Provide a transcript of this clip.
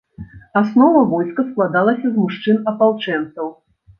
Аснова войска складалася з мужчын-апалчэнцаў.